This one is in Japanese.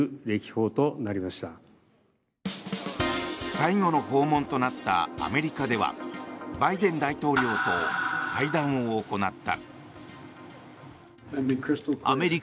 最後の訪問となったアメリカではバイデン大統領と会談を行った。